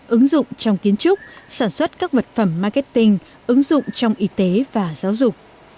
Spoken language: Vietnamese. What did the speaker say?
ứng dụng trong kiến trúc sản xuất các vật phẩm marketing ứng dụng trong y tế và giáo dục